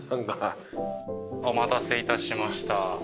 お待たせいたしました。